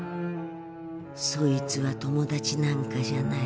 そいつは友達なんかじゃない。